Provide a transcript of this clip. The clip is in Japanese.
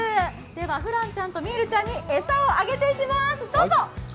ではフランちゃんとミールちゃんに餌をあげていきます。